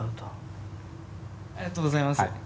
ありがとうございます。